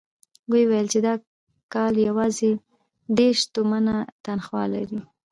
ويې ويل چې د کال يواځې دېرش تومنه تنخوا لري.